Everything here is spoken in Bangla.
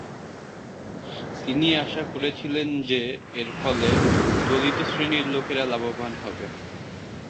তিনি আশা করেছিলেন যে এরফলে দলিত শ্রেণীর লোকেরা লাভবান হবে।